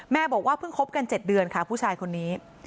บอกว่าเพิ่งคบกัน๗เดือนค่ะผู้ชายคนนี้